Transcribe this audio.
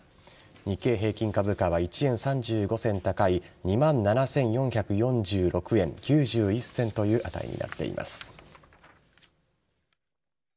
日経平均株価は１円３５銭高い２万７４４６円９１銭という値になっています。